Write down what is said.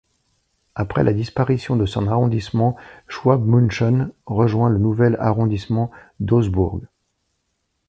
Après la disparition de son arrondissement, Schwabmünchen rejoint le nouvel arrondissement d'Augsbourg.